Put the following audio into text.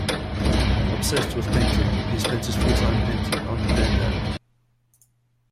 Obsessed with painting, he spent his free time painting "en plein air".